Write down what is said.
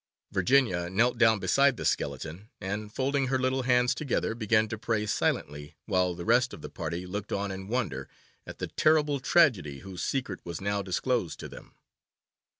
Virginia knelt down beside the skeleton, and, folding her little hands together, began to pray silently, while the rest of the party looked on in wonder at the terrible tragedy whose secret was now disclosed to them.